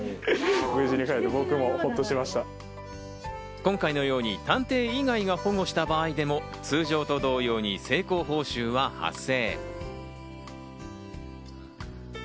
今回のように、探偵以外が保護した場合でも通常と同様に成功報酬は発生。